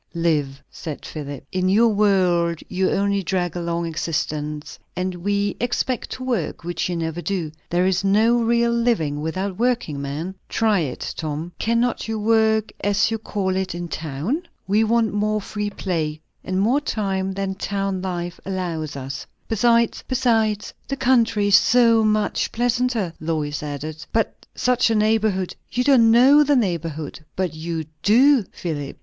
"Live," said Philip. "In your world you only drag along existence. And we expect to work, which you never do. There is no real living without working, man. Try it, Tom." "Cannot you work, as you call it, in town?" "We want more free play, and more time, than town life allows one." "Besides, the country is so much pleasanter," Lois added. "But such a neighbourhood! you don't know the neighbourhood but you do, Philip.